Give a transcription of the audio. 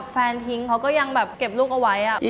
แฟนทิ้งเขาก็ยังเก็บลูกเอาไว้